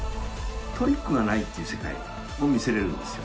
トリックがないっていう世界を見せれるんですよ。